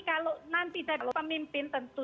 kalau nanti kalau pemimpin tentu